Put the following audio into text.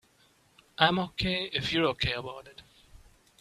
I'm OK if you're OK about it.